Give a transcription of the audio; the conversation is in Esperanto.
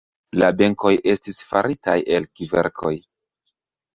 La benkoj estis faritaj el kverkoj.